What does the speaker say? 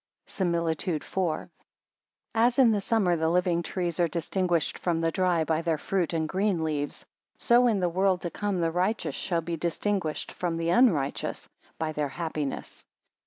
SIMILITUDE IV. As in the summer the living trees are distinguished from the dry by their fruit and green leaves; so in the world to come the righteous shall be distinguished from the unrighteous by their happiness.